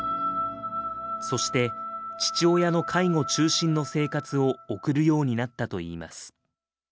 そして父親の介護中心の生活を送るようになったといいます。